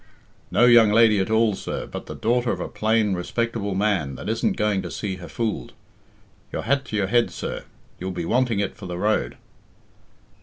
"No young lady at all, sir, but the daughter of a plain, respectable man that isn't going to see her fooled. Your hat to your head, sir. You'll be wanting it for the road."